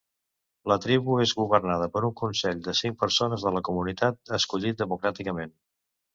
La tribu és governada per un consell de cinc persones de la comunitat escollit democràticament.